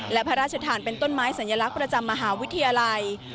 และพระราชทานเป็นต้นไม้สัญลักษณ์ประจำมหาวิทยาลัย